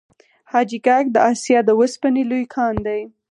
حاجي ګک د اسیا د وسپنې لوی کان دی